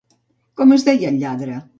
Com es deia el lladre?